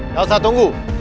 gak usah tunggu